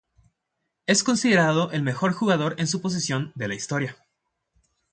Es considerado el mejor jugador en su posición de la historia.